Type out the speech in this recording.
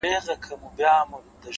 پرمختګ د پرلهپسې زده کړې مېوه ده’